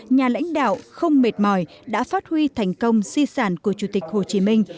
nhà lãnh đạo không mệt mỏi đã phát huy thành công di sản của chủ tịch hồ chí minh